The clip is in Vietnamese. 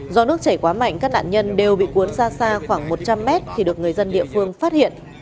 do nước chảy quá mạnh các nạn nhân đều bị cuốn ra xa khoảng một trăm linh mét khi được người dân địa phương phát hiện